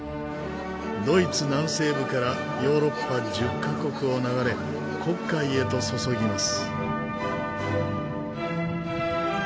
ドイツ南西部からヨーロッパ１０カ国を流れ黒海へと注ぎます。